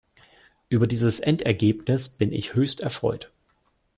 Über dieses Endergebnis bin ich höchst erfreut.